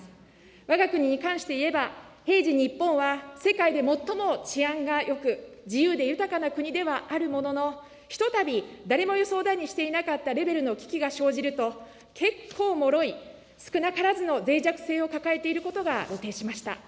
わが国に関して言えば、平時日本は、世界で最も治安がよく、自由で豊かな国ではあるものの、ひとたび、誰も予想だにしていなかったレベルの危機が生じると、結構もろい、少なからずのぜい弱性を抱えていることが露呈しました。